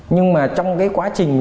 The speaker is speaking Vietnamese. nhưng mà trong cái quá trình